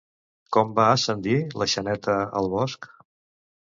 Com va ascendir la Xaneta al bosc?